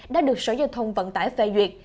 đã được sở giao thông vận tải phê duyệt